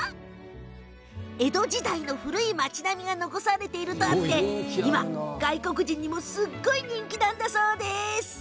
江戸時代の古い町並みが残されているとあって今、外国の方にもすごく人気なんだそうなんです。